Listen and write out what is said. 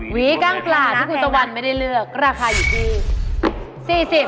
วีก้างปลาที่คุณตะวันไม่ได้เลือกราคาอยู่ที่๔๐บาท